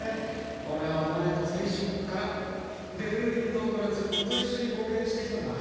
俺はお前と最初っからデルムリン島からずっと一緒に冒険してきたんだ。